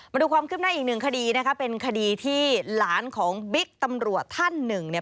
มาดูความคืบหน้าอีกหนึ่งคดีนะคะเป็นคดีที่หลานของบิ๊กตำรวจท่านหนึ่งเนี่ย